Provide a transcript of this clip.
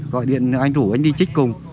gọi điện anh rủ anh đi trích